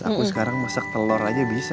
aku sekarang masak telur aja bisa